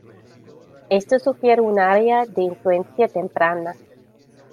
Esto sugiere un área de influencia temprana.